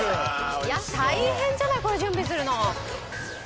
いや大変じゃないこれ準備するの！